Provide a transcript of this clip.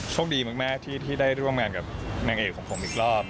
โชคดีมากที่ได้ร่วมงานกับนางเอกของผมอีกรอบ